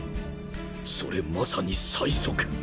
それまさに最速